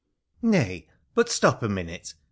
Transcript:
' Nay, but stop a minute